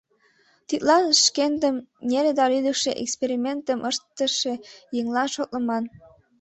Тидлан шкендым неле да лӱдыкшӧ экспериментым ыштыше еҥлан шотлыман...»